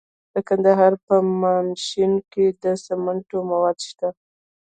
د کندهار په میانشین کې د سمنټو مواد شته.